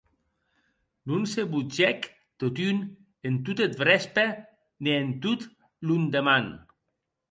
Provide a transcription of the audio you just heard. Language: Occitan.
Non se botgèc, totun, en tot eth vrèspe ne en tot londeman.